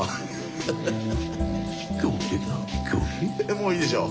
もういいでしょう！